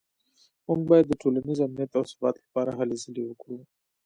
موږ باید د ټولنیز امنیت او ثبات لپاره هلې ځلې وکړو